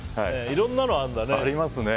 いろんなのあるんだね。